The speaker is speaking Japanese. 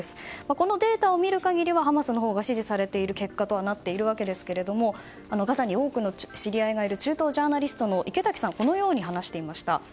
このデータを見る限りはハマスのほうが支持されているという結果になっているわけですがガザに多くの知り合いがいる中東ジャーナリストの池滝さんはこのように話していました。